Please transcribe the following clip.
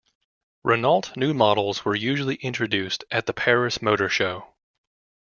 Renault new models were usually introduced at the Paris Motor Show.